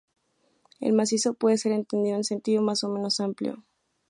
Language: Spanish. El macizo puede ser entendido en sentido más o menos amplio.